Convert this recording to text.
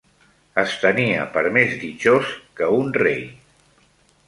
Es tenia per més ditxós que un rei…